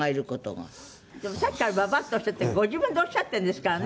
でもさっきから「ばばあ」っておっしゃってご自分でおっしゃっているんですからね。